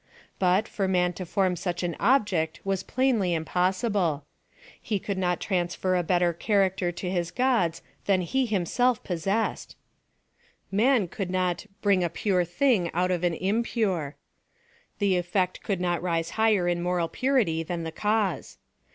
But, for man to form such an object was plainly impossible. He could not transfer a bettei character to his gods than he himself jiossessed Man could not "bring a pure thing out of an im pure." The effect could not rise higher in moral purity than the cause.